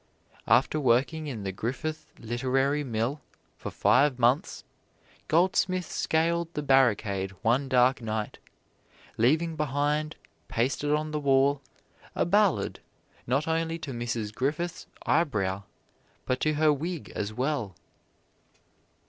After working in the Griffith literary mill for five months, Goldsmith scaled the barricade one dark night, leaving behind, pasted on the wall, a ballad not only to Mrs. Griffiths' eyebrow, but to her wig as well.